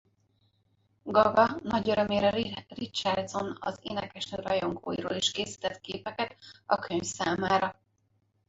Gaga nagy örömére Richardson az énekesnő rajongóiról is készített képeket a könyv számára.